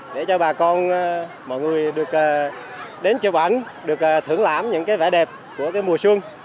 để cho bà con mọi người được đến chụp ảnh được thưởng lãm những vẻ đẹp của mùa xuân